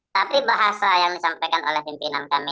tapi bahasa yang disampaikan oleh pimpinan kami